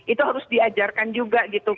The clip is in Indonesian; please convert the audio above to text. itu harus diajarkan juga gitu